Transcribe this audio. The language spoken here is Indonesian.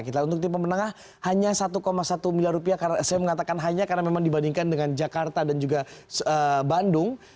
kita untuk tipe menengah hanya satu satu miliar rupiah karena saya mengatakan hanya karena memang dibandingkan dengan jakarta dan juga bandung